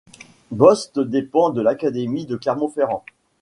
Bost dépend de l'académie de Clermont-Ferrand.